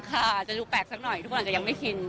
อาจจะดูแปลกสักหน่อยทุกคนอาจจะยังไม่ชิน